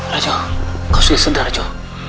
rajo kau sudah sedar rajo